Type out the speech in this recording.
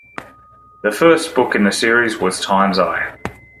The first book in the series was "Time's Eye".